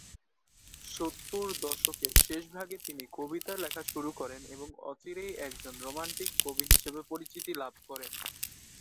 সত্তর দশকের শেষভাগে তিনি কবিতা লেখা শুরু করেন এবং অচিরেই একজন রোম্যান্টিক কবি হিসেবে পরিচিতি লাভ করেন।